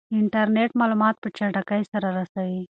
انټرنیټ معلومات په چټکۍ سره رسوي.